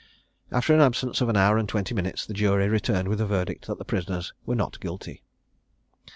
After an absence of an hour and twenty minutes, the jury returned with a verdict that the prisoners were not guilty.